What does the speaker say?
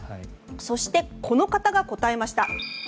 そして、この方が答えました。